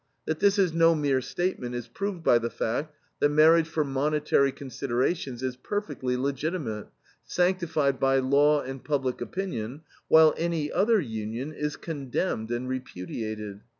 That this is no mere statement is proved by the fact that marriage for monetary considerations is perfectly legitimate, sanctified by law and public opinion, while any other union is condemned and repudiated.